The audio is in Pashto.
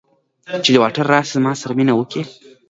په دې توګه عمرا خان ته یوازې باجوړ ورپاته شو.